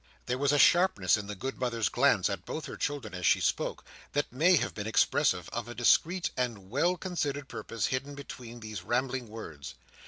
There was a sharpness in the good mother's glance at both her children as she spoke, that may have been expressive of a direct and well considered purpose hidden between these rambling words.